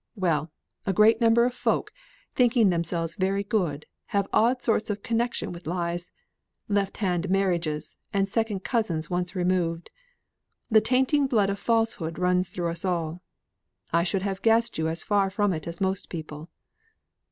Well! a great number of folk, thinking themselves very good, have odd sorts of connexion with lies, left hand marriages, and second cousins once removed. The tainting blood of falsehood runs through us all. I should have guessed you as far from it as most people.